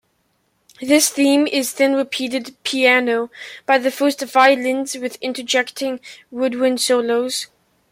This theme is then repeated "piano" by the first violins with interjecting woodwind solos.